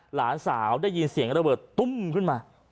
หลานสาวได้ยินเสียงระเบิดตุ้มขึ้นมา